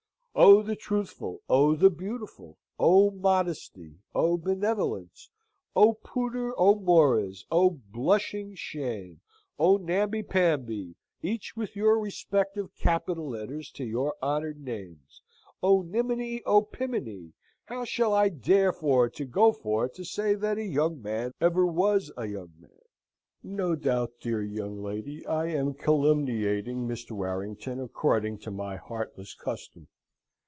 O the Truthful, O the Beautiful, O Modesty, O Benevolence, O Pudor, O Mores, O Blushing Shame, O Namby Pamby each with your respective capital letters to your honoured names! O Niminy, O Piminy! how shall I dare for to go for to say that a young man ever was a young man? No doubt, dear young lady, I am calumniating Mr. Warrington according to my heartless custom.